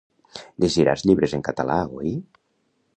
Llegiràs llibres en català, oi?